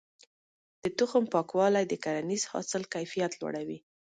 د تخم پاکوالی د کرنیز حاصل کيفيت لوړوي.